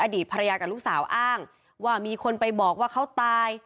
อดีตภรรยากับลูกสาวอ้างว่ามีคนไปบอกว่าเขาตาย